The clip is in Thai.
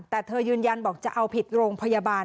แต่เธอยืนยันบอกจะเอาผิดโรงพยาบาล